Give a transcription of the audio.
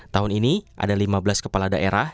tahun ini ada lima belas kepala daerah